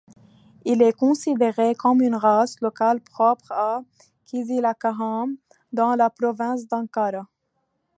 Il est considéré comme une race locale propre à Kızılcahamam, dans la province d'Ankara.